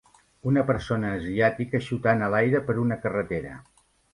Una persona asiàtica xutant a l'aire per una carretera.